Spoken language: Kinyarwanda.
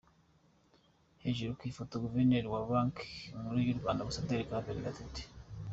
Hejuru ku ifoto : Guverineri wa Banki Nkuru y’u Rwanda Ambasaderi Claver Gatete.